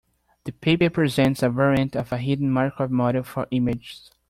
The paper presents a variant of a hidden Markov model for images.